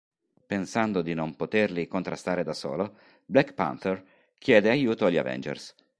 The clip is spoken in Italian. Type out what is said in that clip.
Pensando di non poterli contrastare da solo, Black Panther chiede aiuto agli Avengers.